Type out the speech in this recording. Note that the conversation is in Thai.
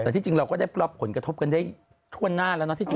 แต่ที่จริงเราก็ได้รับผลกระทบกันได้ทั่วหน้าแล้วเนาะ